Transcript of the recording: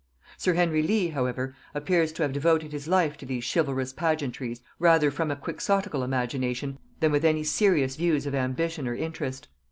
Sir Henry Lee, however, appears to have devoted his life to these chivalrous pageantries rather from a quixotical imagination than with any serious views of ambition or interest.